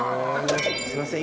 すいません。